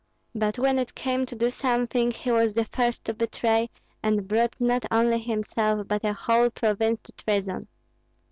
But when it came to do something, he was the first to betray, and brought not only himself, but a whole province to treason."